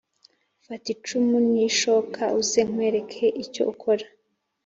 Fata icumu n ishoka uze nkwereke icyo ukora